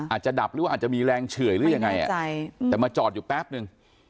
ดับหรือว่าอาจจะมีแรงเฉื่อยหรือยังไงแต่มาจอดอยู่แป๊บนึง